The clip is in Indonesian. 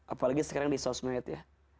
apalagi sekarang di sosmed ya